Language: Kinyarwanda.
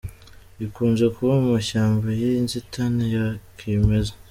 Ikunze kuba mu mashyamba y’inzitane ya kimeza.